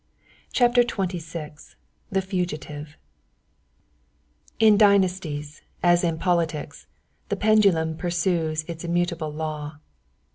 CHAPTER XXVI THE FUGITIVE In dynasties, as in politics, the pendulum pursues its immutable law.